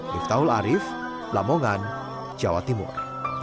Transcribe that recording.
miftahul arief lamongan jawa timur